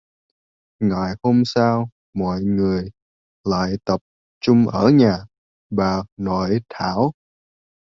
Ngày hôm sau mọi người lại tập trung ở nhà bà nội thảo